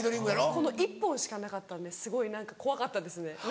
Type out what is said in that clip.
この１本しかなかったんですごい何か怖かったですね